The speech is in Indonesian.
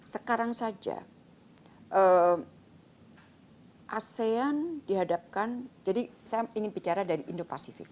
sekarang saja asean dihadapkan jadi saya ingin bicara dari indo pasifik